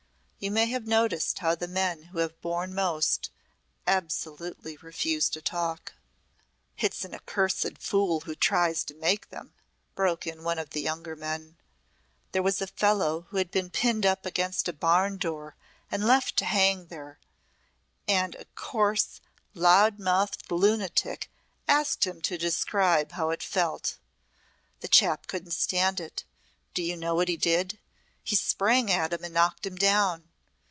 You may have noticed how the men who have borne most, absolutely refuse to talk." "It's an accursed fool who tries to make them," broke in one of the younger men. "There was a fellow who had been pinned up against a barn door and left to hang there and a coarse, loud mouthed lunatic asked him to describe how it felt. The chap couldn't stand it. Do you know what he did? He sprang at him and knocked him down.